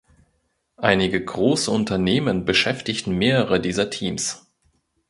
Einige große Unternehmen beschäftigen mehrere dieser Teams.